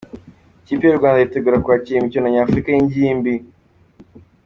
Ikipe y'u Rwanda yiutegura kwakira imikino Nyafurika y'ingimbi.